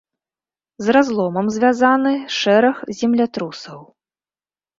З разломам звязаны шэраг землятрусаў.